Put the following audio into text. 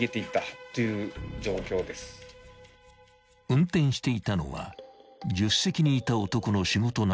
［運転していたのは助手席にいた男の仕事仲間］